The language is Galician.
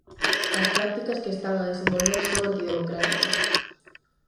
As prácticas que están a desenvolver son antidemocráticas.